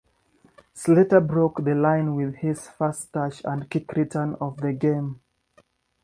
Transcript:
Slater broke the line with his first touch and kick return of the game.